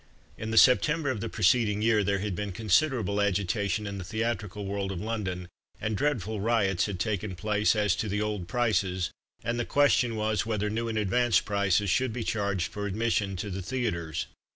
In the September of the preceding year there had been considerable agitation in the theatrical world of London, and dreadful riots had taken place as to the old prices, and the question was whether new and advanced prices should be charged for admission to the theatres.